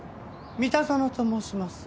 三田園と申します。